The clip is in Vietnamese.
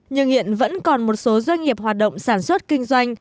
nhưng hiện vẫn còn một số doanh nghiệp hoạt động sản xuất kinh doanh